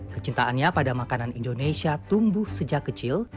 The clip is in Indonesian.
kecintaannya pada makanan indonesia tumbuh sejak kecil